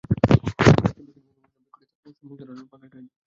তখন একটি বৃক্ষের মুখোমুখি হলে বৃক্ষটি তার মাথার সম্মুখ ভাগের কেশগুচ্ছ ধরে ফেলে।